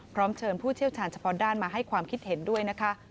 พร้อมเชิญผู้เชี่ยวชาญเฉพาะด้านมาให้ความคิดเห็นด้วยนะคะ